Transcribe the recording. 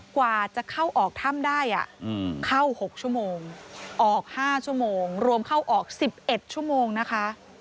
กว่าจะเข้าออกถ้ำได้เข้า๖ชั่วโมงออก๕ชั่วโมงรวมเข้าออก๑๑ชั่วโมงนะคะ